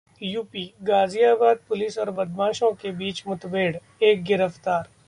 UP: Ghaziabad police और बदमाशों के बीच मुठभेड़, एक गिरफ्तार